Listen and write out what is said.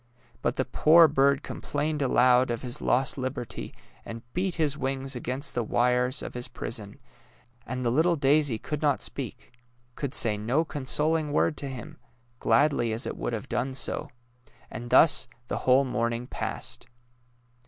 But the poor bird complained aloud of Ms lost liberty, and beat his wings against the wires of his prison; and the little daisy could not speak — could say no consol ing word to him, gladly as it would have done so. And thus the whole morning passed.